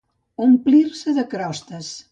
Omplir-se de crostes.